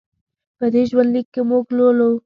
په دې ژوند لیک کې موږ لولو.